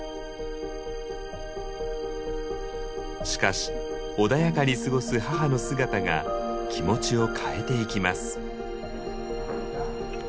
しかし穏やかに過ごす母の姿が気持ちを変えていきます。